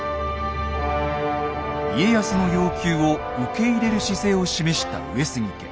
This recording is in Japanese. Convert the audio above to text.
家康の要求を受け入れる姿勢を示した上杉家。